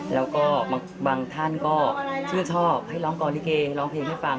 แล้วก็บางท่านก็ชื่นชอบให้ร้องกองลิเกร้องเพลงให้ฟัง